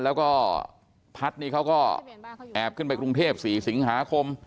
แล้วก็พัฒน์นี่เขาก็แอบขึ้นไปกรุงเทพ๔สิงหาคม